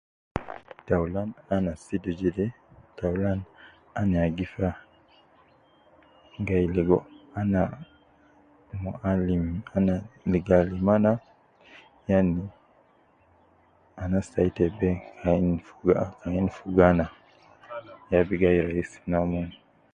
Taulan ana sidu jede, taulan ana ya gi fa, gai ligo ana ma alim ,ana ligo alim ana yani anas tai te be ke ayin fogo ,ke ayin fogo ana ya bi gai raisi